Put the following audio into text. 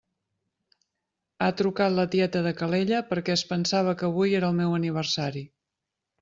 Ha trucat la tieta de Calella perquè es pensava que avui era el meu aniversari.